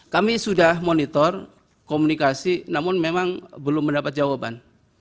kami sudah monitor komunikasi namun memang belum mendapat jawaban